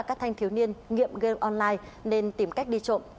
các thanh thiếu niên nghiện game online nên tìm cách đi trộm